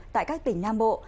tại các tỉnh nam bộ